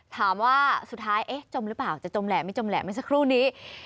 ถามว่าสุดท้ายเอ๊ะจมหรือเปล่าจะจมแหละไม่จมแหละเมื่อสักครู่นี้